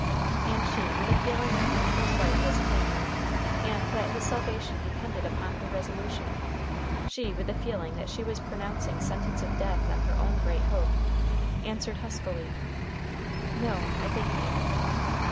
And she, with a feeling that her uncle's life was in danger, and that his salvation depended upon her resolution she, with a feeling that she was pronouncing sentence of death on her own great hope, answered huskily: "No, I thank you."